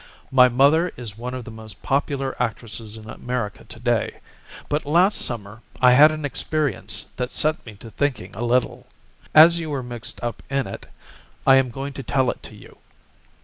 My mother is one of the most popular actresses in America to day. But last summer I had an experience that set me to thinking a little. As you were mixed up in it I am going to tell it to you.